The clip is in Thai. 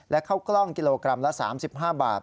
และข้าวกล้องกิโลกรัมละ๓๕บาท